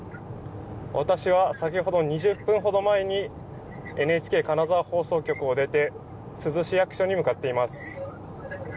私は先ほど２０分ほど前にＮＨＫ金沢放送局を出て珠洲市役所に向かっています。